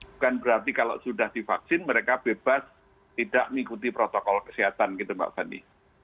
bukan berarti kalau sudah divaksin mereka bebas tidak mengikuti protokol kesehatan gitu mbak fani